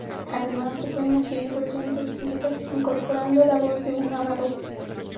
Además, se pueden adquirir versiones extendidas, incorporando la voz de un narrador.